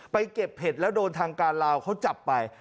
เก็บเห็ดแล้วโดนทางการลาวเขาจับไป